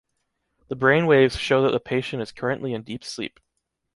The brain waves show that the patient is currently in deep sleep.